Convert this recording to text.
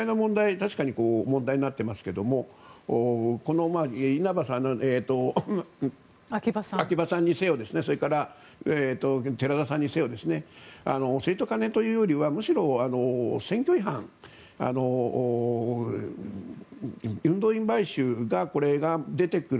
確かに問題になっていますがこの秋葉さんにせよ寺田さんにせよ政治と金というよりはむしろ選挙違反、運動員買収が出てくる。